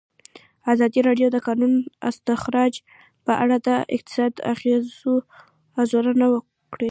ازادي راډیو د د کانونو استخراج په اړه د اقتصادي اغېزو ارزونه کړې.